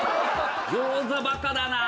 餃子バカだなあ。